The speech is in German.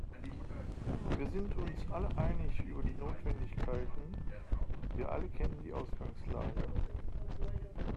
Wir sind uns alle einig über die Notwendigkeiten, wir alle kennen die Ausgangslage.